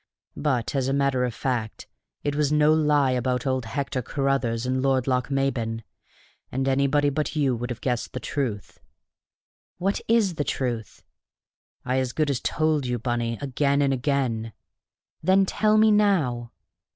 But, as a matter of fact, it was no lie about old Hector Carruthers and Lord Lochmaben, and anybody but you would have guessed the truth." "What is the truth?" "I as good as told you, Bunny, again and again." "Then tell me now."